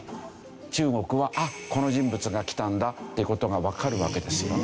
中国はあっこの人物が来たんだっていう事がわかるわけですよね。